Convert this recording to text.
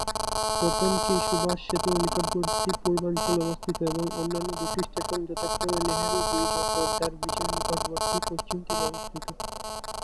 প্রথমটি সুভাষ সেতুর নিকটবর্তী পূর্বাঞ্চলে অবস্থিত এবং অন্যান্য দুটি স্টেশন যথাক্রমে নেহেরু ব্রিজ ও সরদার ব্রিজের নিকটবর্তী পশ্চিম তীরে অবস্থিত।